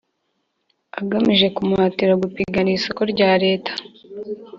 agamije kumuhatira gupiganira isoko rya Leta